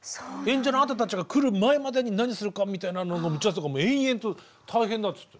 演者のあなたたちが来る前までに何するかみたいなのの打ち合わせとかも延々と大変だって。